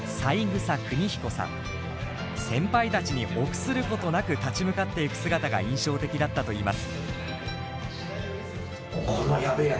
先輩たちに臆することなく立ち向かっていく姿が印象的だったといいます。